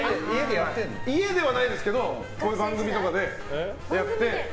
家ではないですけど番組とかでやって。